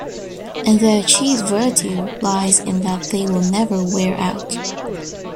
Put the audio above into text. And their chief virtue lies in that they will never wear out.